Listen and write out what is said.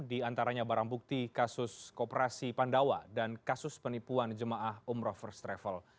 di antaranya barang bukti kasus kooperasi pandawa dan kasus penipuan jemaah umroh first travel